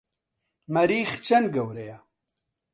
مەریخ چەند گەورەیە؟